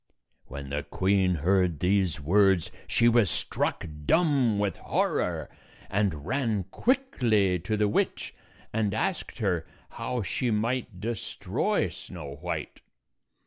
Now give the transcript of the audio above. When the queen heard these words, she was struck dumb with horror, and ran quickly to the witch and asked her how she might destroy Snow White.